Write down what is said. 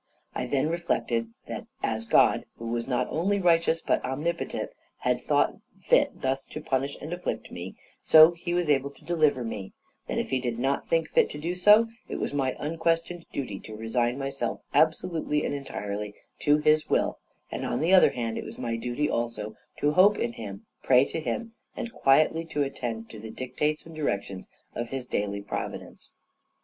I then reflected, that as God, who was not only righteous but omnipotent, had thought fit thus to punish and afflict me, so He was able to deliver me: that if He did not think fit to do so, it was my unquestioned duty to resign myself absolutely and entirely to His will; and, on the other hand, it was my duty also to hope in Him, pray to Him, and quietly to attend to the dictates and directions of His daily providence.